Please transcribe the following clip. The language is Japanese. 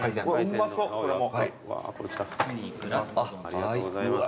はい。